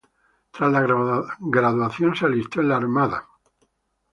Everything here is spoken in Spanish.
Tras la graduación se alistó en la Armada de los Estados Unidos.